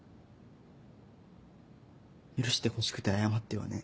許してほしくて謝ってはねえ。